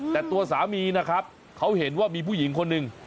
แต่ตัวสามีนะครับเขาเห็นว่ามีผู้หญิงคนหนึ่ง